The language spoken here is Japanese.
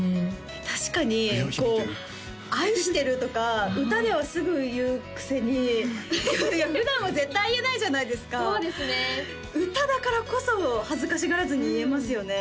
確かにこう「愛してる」とか歌ではすぐ言うくせに普段は絶対言えないじゃないですか歌だからこそ恥ずかしがらずに言えますよね